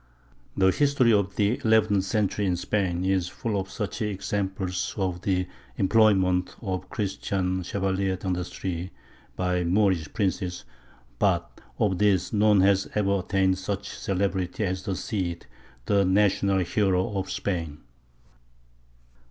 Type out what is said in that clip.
The history of the eleventh century in Spain is full of such examples of the employment of Christian chevaliers d'industrie by Moorish princes; but of these none has ever attained such celebrity as the Cid, the national hero of Spain.